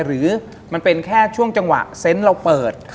หรือมันเป็นแค่ช่วงจังหวะเซนต์เราเปิด